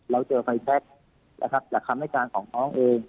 เราเจอไฟแท็กซ์นะครับจากคำในการของน้องเอง